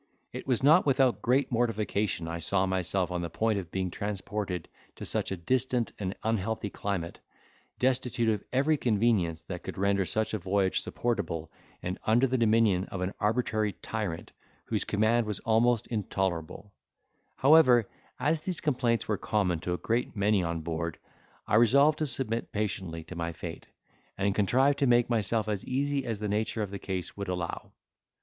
It was not without great mortification I saw myself on the point of being transported to such a distant and unhealthy climate, destitute of every convenience that could render such a voyage supportable, and under the dominion of an arbitrary tyrant, whose command was almost intolerable; however, as these complaints were common to a great many on board, I resolved to submit patiently to my fate, and contrive to make myself as easy as the nature of the case would allow.